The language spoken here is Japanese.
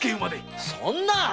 そんな。